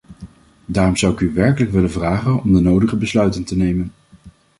Daarom zou ik u werkelijk willen vragen om de nodige besluiten te nemen.